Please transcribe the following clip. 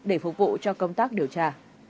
để phục vụ cho công tác điều tra